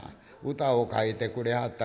歌を書いてくれはった。